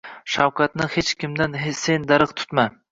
Shafqatni hech kimdan sen darig‘ tutma